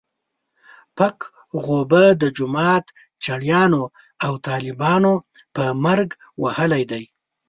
پک غوبه د جومات چړیانو او طالبانو په مرګ وهلی دی.